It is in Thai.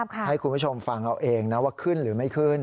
ให้คุณผู้ชมฟังเอาเองนะว่าขึ้นหรือไม่ขึ้น